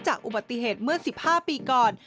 อุบัติเหตุเมื่อ๑๕ปีก่อน